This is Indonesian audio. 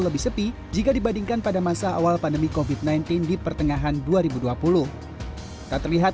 lebih sepi jika dibandingkan pada masa awal pandemi kofit sembilan belas di pertengahan dua ribu dua puluh tak terlihat